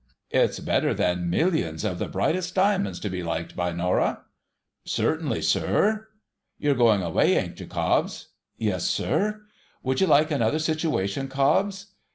It's better than millions of the brightest diamonds to be liked by Norah.' ' Cer tainly, sir.' ' You're going away, ain't you, Cobbs ?'' Yes, sir.' * Would you like another situation, Cobbs